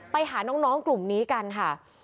ไปหาน้องกลุ่มนี้กันค่ะ